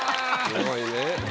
すごいね。